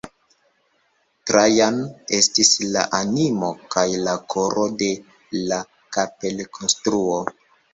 Trajan estis la animo kaj la koro de la kapelkonstruo.